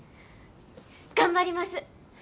頑張ります。